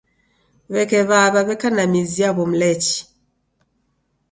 W'eke w'aw'a w'eka na mizi yaw'o Mlechi.